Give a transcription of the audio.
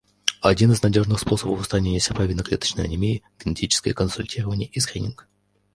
Один из надежных способов устранения серповидно-клеточной анемии — генетическое консультирование и скрининг.